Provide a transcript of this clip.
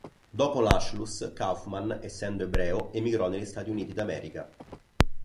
Dopo l'Anschluss, Kaufmann, essendo ebreo, emigrò negli Stati Uniti d'America.